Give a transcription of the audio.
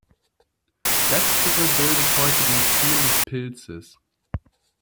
Letztere bildet heute den Stil des Pilzes.